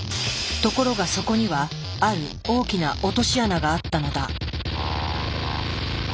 ところがそこにはある大きな落とし穴があったのだ。